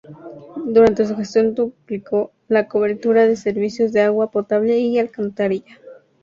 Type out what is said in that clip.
Durante su gestión duplicó la cobertura de servicio de agua potable y alcantarillado.